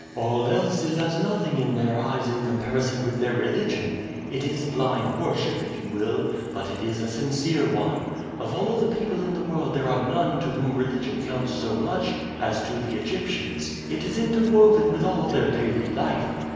All else is as nothing in their eyes in comparison with their religion. It is blind worship, if you will; but it is a sincere one. Of all the people in the world there are none to whom religion counts so much as to the Egyptians. It is interwoven with all their daily life.